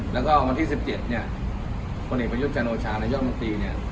แล้วคับวันที่๑๗คนอิงประยุจจานโอชานายยอดมติ